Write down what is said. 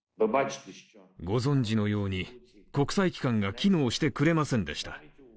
ご存じのように国際機関が機能してくれませんでした。